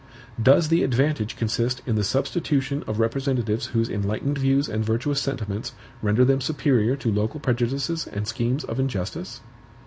Does the advantage consist in the substitution of representatives whose enlightened views and virtuous sentiments render them superior to local prejudices and schemes of injustice?